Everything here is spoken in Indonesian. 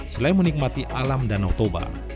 selain menikmati alam danau toba